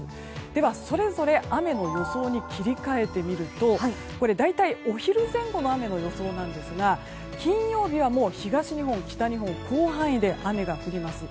では、それぞれ雨の予想に切り替えてみると大体お昼前後の雨の予想なんですが金曜日は東日本、北日本の広範囲で雨が降ります。